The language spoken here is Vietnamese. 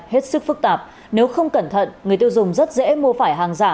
hết sức phức tạp nếu không cẩn thận người tiêu dùng rất dễ mua phải hàng giả